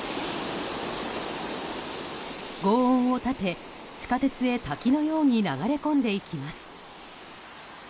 轟音を立て地下鉄へ滝のように流れ込んでいきます。